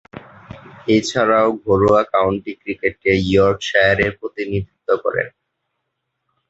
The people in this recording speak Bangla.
এছাড়াও ঘরোয়া কাউন্টি ক্রিকেটে ইয়র্কশায়ারের প্রতিনিধিত্ব করেন।